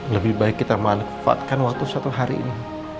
lebih baik kita manfaatkan waktu satu hari ini